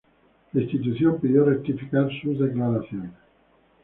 La institución pidió rectificar sus declaraciones.